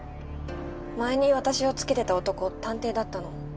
前に私を尾けてた男探偵だったの。